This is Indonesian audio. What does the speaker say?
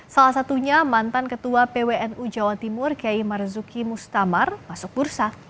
salah satunya mantan ketua pwnu jawa timur kiai marzuki mustamar masuk bursa